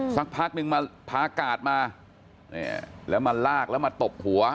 สักพักนึงมาพากาดมาแล้วมาลากแล้วมาตบหัว